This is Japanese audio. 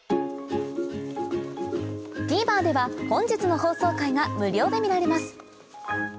ＴＶｅｒでは本日の放送回が無料で見られます